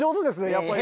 やっぱり。